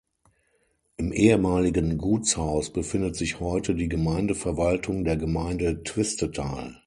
Im ehemaligen Gutshaus befindet sich heute die Gemeindeverwaltung der Gemeinde Twistetal.